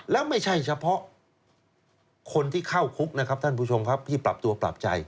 แล้วไม่ใช่เฉพาะคนที่เข้าคุกนะครับท่านผู้ชมครับที่ปรับตัวปรับใจ